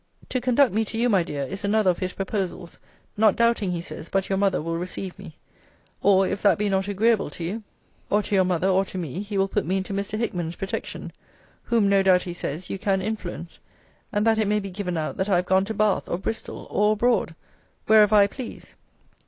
'To conduct me to you, my dear, is another of his proposals, not doubting, he says, but your mother will receive me:* or, if that be not agreeable to you, or to your mother, or to me, he will put me into Mr. Hickman's protection; whom, no doubt he says, you can influence; and that it may be given out, that I have gone to Bath, or Bristol, or abroad; wherever I please. * See Note in Letter V. of this Volume.